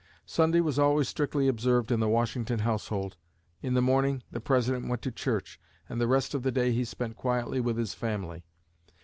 Sunday was always strictly observed in the Washington household. In the morning, the President went to church, and the rest of the day he spent quietly with his family.